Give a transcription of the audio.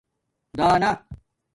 دَانآہ